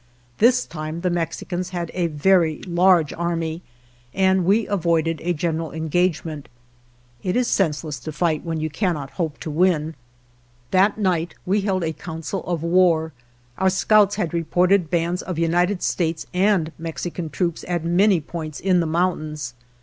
This time the Mexicans had a very large army, and we avoided a general en gagement. It is senseless to fight when you cannot hope to win. That night we held a council of war; our scouts had reported bands of United States and Mexican troops at many points in the mountains.